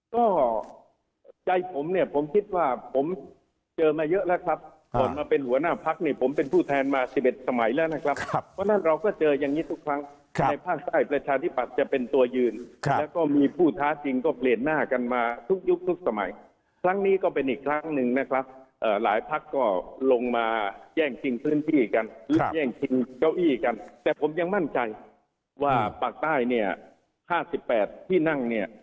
ก็ใจผมเนี่ยผมคิดว่าผมเจอมาเยอะแล้วครับก่อนมาเป็นหัวหน้าภักร์เนี่ยผมเป็นผู้แทนมา๑๑สมัยแล้วนะครับเพราะฉะนั้นเราก็เจอยังงี้ทุกครั้งในภาคใต้ประชาธิบัตรจะเป็นตัวยืนแล้วก็มีผู้ท้าจริงก็เปลี่ยนหน้ากันมาทุกยุคทุกสมัยครั้งนี้ก็เป็นอีกครั้งนึงนะครับหลายภักร์ก็ลงมาแย่งชิงเครื่องที่